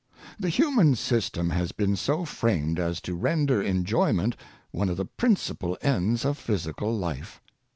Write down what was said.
The human system has been so framed as to render enjoyment one of the principal ends of physical life.